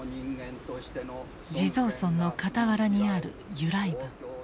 地蔵尊の傍らにある由来文。